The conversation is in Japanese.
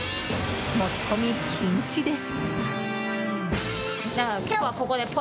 持ち込み禁止です。